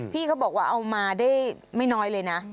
พี่เขาบอกว่าเอามาได้ไม่น้อยเลยนะ